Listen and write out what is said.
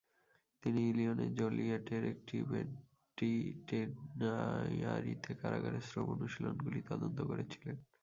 তিনি ইলিনয়ের জোলিয়েটের একটি পেন্টিটেনিয়ারিতে কারাগারের শ্রম অনুশীলনগুলি তদন্ত করেছিলেন।